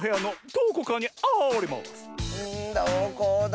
どこだ？